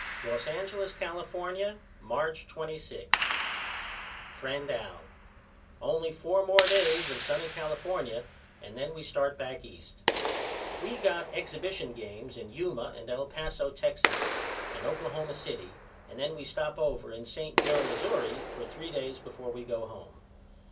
Los Angeles, California, March 26 FRIEND AL: Only four more days of sunny California and then we start back East. We got exhibition games in Yuma and El Paso, Texas and Oklahoma City and then we stop over in St. Joe, Missouri, for three days before we go home.